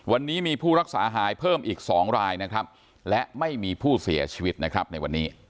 วันนี้มีผู้รักษาหายเพิ่มอีก๒รายนะครับและไม่มีผู้เสียชีวิตนะครับในวันนี้